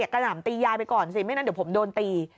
กระหน่ำตียายไปก่อนสิไม่งั้นเดี๋ยวผมโดนตี